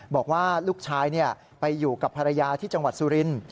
บอกว่าลูกชายไปอยู่กับภรรยาที่จังหวัดสุรินทร์